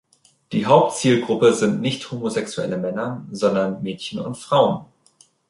Die Hauptzielgruppe sind nicht homosexuelle Männer, sondern Mädchen und Frauen.